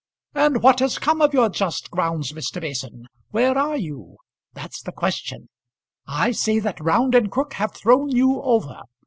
"And what has come of your just grounds, Mr. Mason? Where are you? That's the question. I say that Round and Crook have thrown you over.